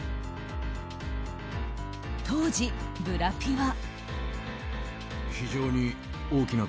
当時、ブラピは。